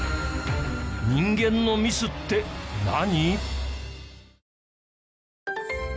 人間のミスって何？